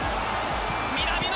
南野。